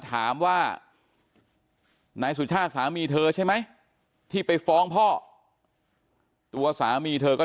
ถามว่านายสุชาติสามีเธอใช่ไหมที่ไปฟ้องพ่อตัวสามีเธอก็